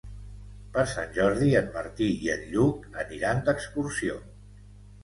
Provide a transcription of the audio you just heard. Per Sant Jordi en Martí i en Lluc aniran d'excursió.